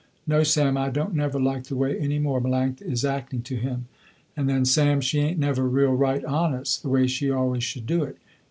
No Sam I don't never like the way any more Melanctha is acting to him, and then Sam, she ain't never real right honest, the way she always should do it.